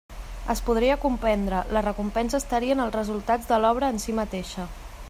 Es podria comprendre, la recompensa estaria en els resultats de l'obra en si mateixa.